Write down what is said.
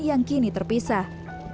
yang kini terpisah